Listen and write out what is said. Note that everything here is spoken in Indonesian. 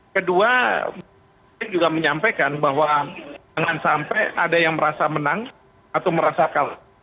kedua saya juga menyampaikan bahwa jangan sampai ada yang merasa menang atau merasa kalah